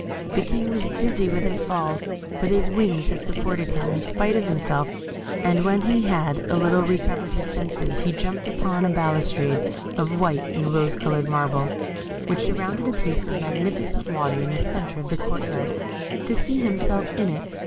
The King was dizzy with his fall, but his wings had supported him, in spite of himself, and when he had a little recovered his senses he jumped upon a balustrade of white and rose coloured marble, which surrounded a piece of magnificent water in the centre of the court yard, to see himself in it.